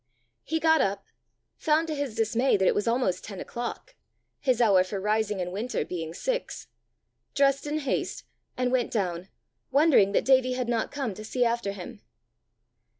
He got up, found to his dismay that it was almost ten o'clock his hour for rising in winter being six dressed in haste, and went down, wondering that Davie had not come to see after him.